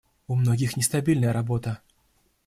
У многих нестабильная работа.